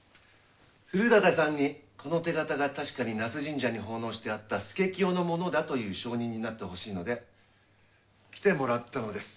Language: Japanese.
古館さんにこの手形が確かに那須神社に奉納してあった佐清のものだという証人になってほしいので来てもらったのです。